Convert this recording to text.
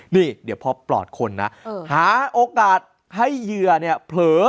นี่เดี๋ยวพอปลอดคนนะหาโอกาสให้เหยื่อเนี่ยเผลอ